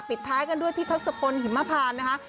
ท้ายกันด้วยพี่ทศพลหิมพานนะคะ